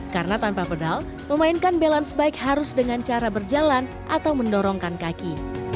karena tanpa pedal memainkan balance bike harus dengan cara berjalan atau mendorongkan kaki